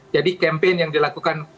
jadi kempen yang dilakukan